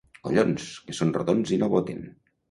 Collons! —Que són rodons i no boten.